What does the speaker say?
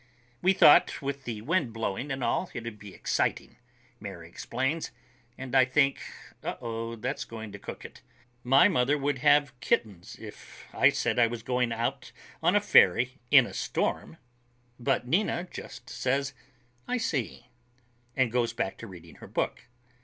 "We thought with the wind blowing and all, it'd be exciting," Mary explains, and I think, Uh o, that's going to cook it. My mother would have kittens if I said I was going out on a ferry in a storm. But Nina just says, "I see," and goes back to reading her book.